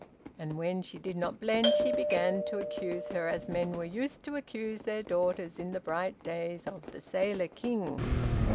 And when she did not blench, he began to accuse her as men were used to accuse their daughters in the bright days of the Sailor King.